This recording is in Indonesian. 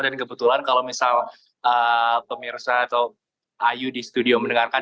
dan kebetulan kalau misal pemirsa atau ayu di studio mendengarkan